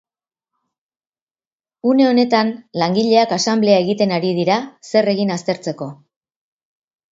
Une honetan langileak asanblea egiten ari dira, zer egin aztertzeko.